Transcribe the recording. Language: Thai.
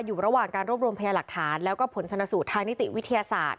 อยู่ระหว่างการรวบรวมพยาหลักฐานแล้วก็ผลชนสูตรทางนิติวิทยาศาสตร์